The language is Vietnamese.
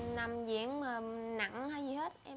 nằm diễn mà nặng hay gì hết